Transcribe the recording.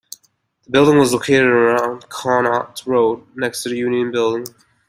The building was located along Connaught Road, next to the Union Building.